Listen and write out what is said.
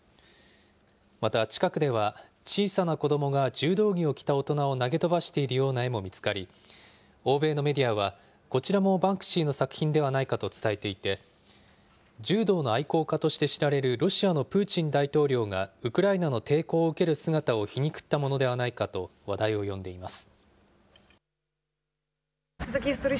また、近くでは、小さな子どもが柔道着を着た大人を投げ飛ばしているような絵も見つかり、欧米のメディアはこちらもバンクシーの作品ではないかと伝えていて、柔道の愛好家として知られるロシアのプーチン大統領がウクライナの抵抗を受ける姿を皮肉ったものではないかと話題を呼んでいます。